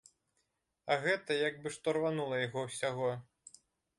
А гэта як бы што рванула яго ўсяго.